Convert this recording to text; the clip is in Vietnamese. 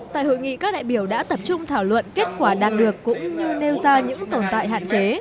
tại hội nghị các đại biểu đã tập trung thảo luận kết quả đạt được cũng như nêu ra những tồn tại hạn chế